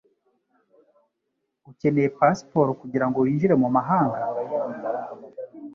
Ukeneye pasiporo kugirango winjire mumahanga.